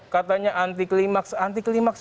katanya anti klimaks anti klimaks